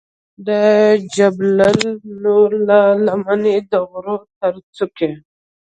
د جبل نور له لمنې د غره تر څوکې.